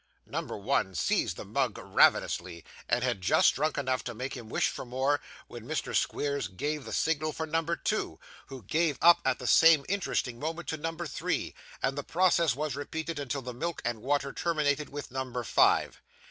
Number one seized the mug ravenously, and had just drunk enough to make him wish for more, when Mr. Squeers gave the signal for number two, who gave up at the same interesting moment to number three; and the process was repeated until the milk and water terminated with number five.